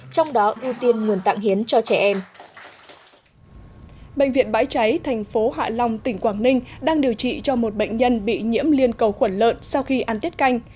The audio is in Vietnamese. trong đó ưu tiên nguồn tặng hiến cho trẻ em